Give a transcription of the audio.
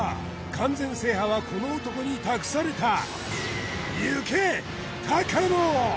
完全制覇はこの男に託されたゆけ高野！